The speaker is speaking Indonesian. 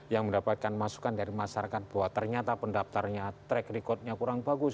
yang mendapatkan masukan dari masyarakat bahwa ternyata pendaftarnya track recordnya kurang bagus